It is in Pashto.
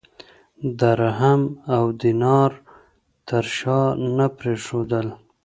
درهم او دینار یې تر شا نه پرېښودل.